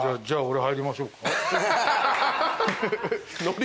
じゃあ入りましょうか。